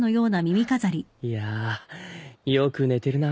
いやぁよく寝てるなぁ。